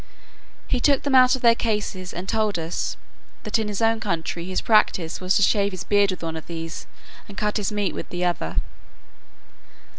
He took them out of their cases, and told us, that in his own country his practice was to shave his beard with one of these, and cut his meat with the other.